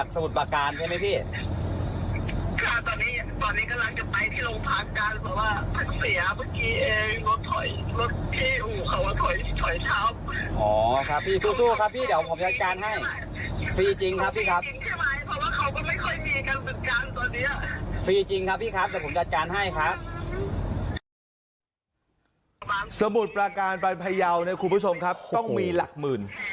มุดประการไปพยาวเนี่ยคุณผู้ชมครับต้องมีหลักหมื่น